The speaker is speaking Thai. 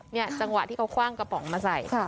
จังหวะที่เขาคว่างกระป๋องมาใส่